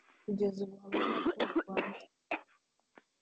Kugeza ubu hamwe na Call Rwanda